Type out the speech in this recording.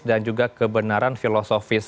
dan juga kebenaran filosofis